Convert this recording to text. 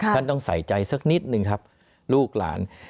ท่านต้องใส่ใจสักนิดนึงครับลูกหลาน